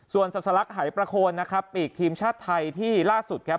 ส่วนศาสลักหายประโคนนะครับปีกทีมชาติไทยที่ล่าสุดครับ